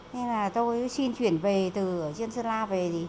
nên là tôi xin chuyển về từ trên sơn la về